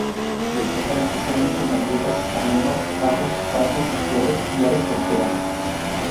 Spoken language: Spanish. Destacan especialmente gaviotas, palomas, pavos, patos, loros y aves costeras.